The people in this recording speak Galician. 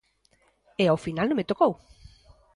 E ao final non me tocou.